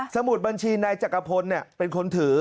มุดบัญชีนายจักรพลเป็นคนถือ